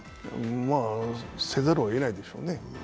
まあ、せざるをえないでしょうね。